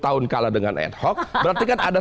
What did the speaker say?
tahun kalah dengan ad hoc berarti kan ada